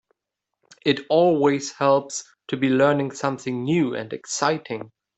It always helps to be learning something new and exciting.